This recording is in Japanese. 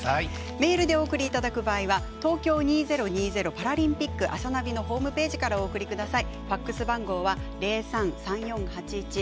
メールでお送りいただく場合は「東京２０２０パラリンピックあさナビ」のホームページからお送りください。